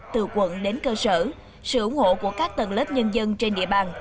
từ quận đến cơ sở sự ủng hộ của các tầng lớp nhân dân trên địa bàn